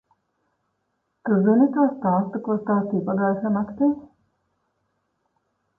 Tu zini to stāstu, ko stāstīji pagājušajā naktī?